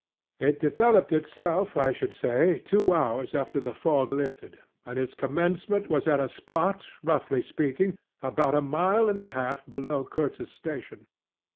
"It developed itself, I should say, two hours after the fog lifted, and its commencement was at a spot, roughly speaking, about a mile and a half below Kurtz's station.